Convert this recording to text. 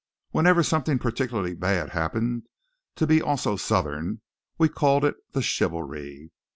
Whenever something particularly bad happened to be also Southern, we called it the Chivalry.